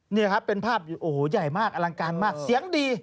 นี่ครับเป็นภาพโอ้โหใหญ่มากอลังการมากเสียงดี